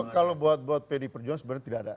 kalau buat pdi perjuangan sebenarnya tidak ada